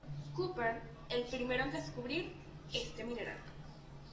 Cooper, el primero en descubrir este mineral.